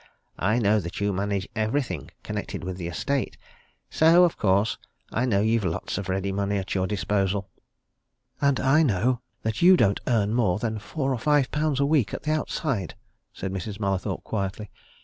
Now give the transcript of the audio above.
I know that you manage everything connected with the estate. So, of course, I know you've lots of ready money at your disposal." "And I know that you don't earn more than four or five pounds a week, at the outside," said Mrs. Mallathorpe quietly.